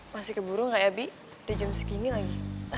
masih keburu nggak ya bi udah jam segini lagi